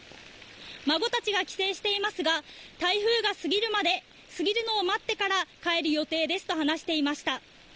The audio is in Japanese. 孫たちが帰省していますが台風が過ぎるのを待ってから帰る予定ですと話していました。